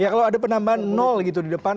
ya kalau ada penambahan nol gitu di depan